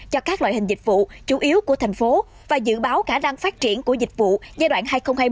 cho các loại hình dịch vụ chủ yếu của thành phố và dự báo khả năng phát triển của dịch vụ giai đoạn hai nghìn hai mươi một hai nghìn hai mươi năm